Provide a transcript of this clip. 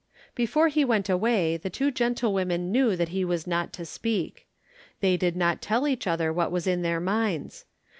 Before he went away the two gentlewomen knew that he was not to speak. They did not tell each other what was in their minds.